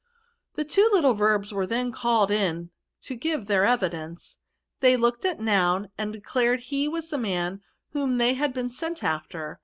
The two little Verbs were then called in to give their evidence. They looked at Noun, and declared he was the man whom they had been sent after.